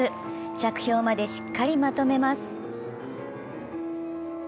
着氷までしっかりまとめます。